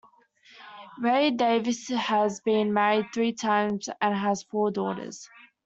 Ray Davies has been married three times and has four daughters.